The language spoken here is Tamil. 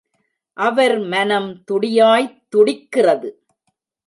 அவர் மனம் துடியாய்த் துடிக்கிறது.